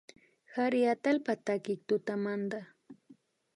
Kari atallpa takik tutamanta